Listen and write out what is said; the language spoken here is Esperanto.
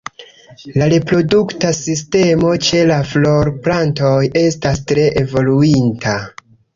La reprodukta sistemo ĉe la florplantoj estas tre evoluinta.